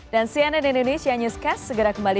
dan cnn indonesia newscast segera kembali